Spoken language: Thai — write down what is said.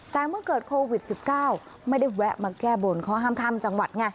แต่เมื่อเกิดโควิด๑๙ไม่ได้แวะมาแก้บนข้อห้ามข้ามจังหวัดไง